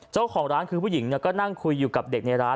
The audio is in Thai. เจ้าของร้านคือผู้หญิงก็นั่งคุยอยู่กับเด็กในร้าน